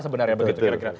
sebenarnya begitu kira kira